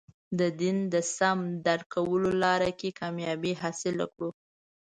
د دین د سم درک کولو لاره کې کامیابي حاصله کړو.